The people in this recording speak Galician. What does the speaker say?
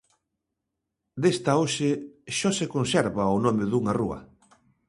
Desta hoxe só se conserva o nome dunha rúa.